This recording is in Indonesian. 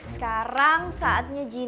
sekarang saatnya jalan